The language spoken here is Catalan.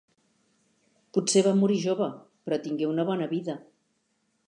Potser va morir jove, però tingué una bona vida.